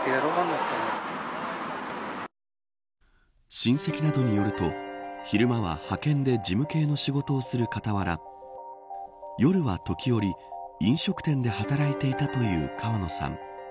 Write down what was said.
親戚などによると昼間は派遣で事務系の仕事をする傍ら夜は時折飲食店で働いていたという川野さん。